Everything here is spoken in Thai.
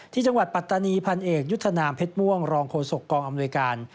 ที่จังหวัดปัตตานีพันเอกยุทธนามเพชรม่วงรองโคศกองอำนวยการ